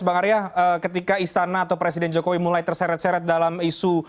bang arya ketika istana atau presiden jokowi mulai terseret seret dalam isu